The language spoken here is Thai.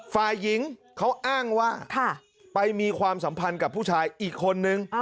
ฝ่ายหญิงเขาอ้างว่าไปมีความสัมพันธ์กับผู้ชายอีกคนนึง